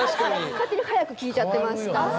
勝手に速く聴いちゃってました。